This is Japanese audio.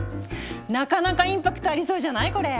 なかなかインパクトありそうじゃないこれ？